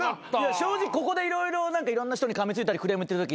正直ここで色々いろんな人にかみついたりクレーム言ってるとき